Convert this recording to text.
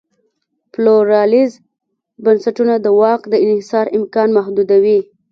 پلورالایز بنسټونه د واک دانحصار امکان محدودوي.